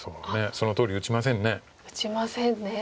そのとおり打ちませんね。